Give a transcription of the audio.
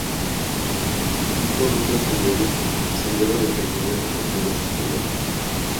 Tipo ruta senderismo: Sendero de Pequeño Recorrido Circular.